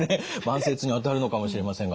慢性痛にあたるのかもしれませんが。